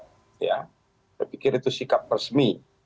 saya pikir itu sikap resmi